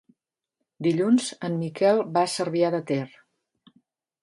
Dilluns en Miquel va a Cervià de Ter.